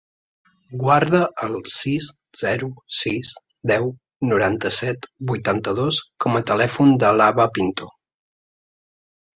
Guarda el sis, zero, sis, deu, noranta-set, vuitanta-dos com a telèfon de l'Abba Pinto.